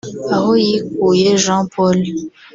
Ahoyikuye Jean Paul